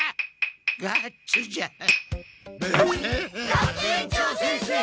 学園長先生！